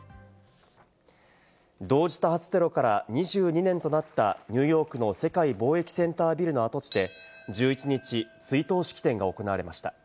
同時多発テロから２２年となったニューヨークの世界貿易センタービルの跡地で１１日、追悼式典が行われました。